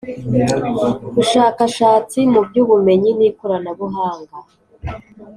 bushakashatsi mu by ubumenyi n ikoranabuhanga